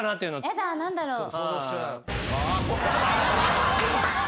やだ何だろう。